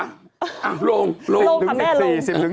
อ้าวลงลงถึง๑๐๑๔